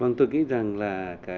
vâng tôi nghĩ rằng là